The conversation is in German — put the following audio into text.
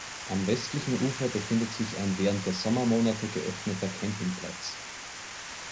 Am westlichen Ufer befindet sich ein während der Sommermonate geöffneter Campingplatz.